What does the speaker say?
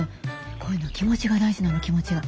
こういうのは気持ちが大事なの気持ちが。